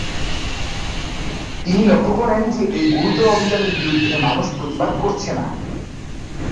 তিনি লক্ষ করেন যে এই গুরুতর অবিচারের বিরুদ্ধে মানুষ প্রতিবাদ করছে না।